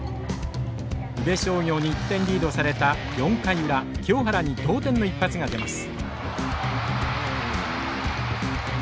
宇部商業に１点リードされた４回裏清原に同点の一発が出ます。